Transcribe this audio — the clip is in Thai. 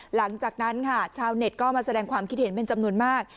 หลังจากนั้นค่ะชาวเน็ตก็มาแสดงความคิดเห็นเป็นจำนวนมาก